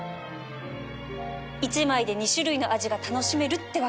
１枚で２種類の味が楽しめるってわけか